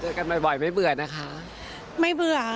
เจอกันบ่อยไม่เบื่อนะคะ